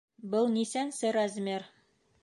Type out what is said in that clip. Был нисәнсе размер?